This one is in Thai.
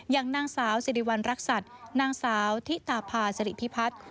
อย่างนางสาวสิริวัณรักษัตริย์นางสาวทิตาพาสิริพิพัฒน์